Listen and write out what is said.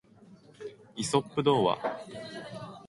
イソップ童話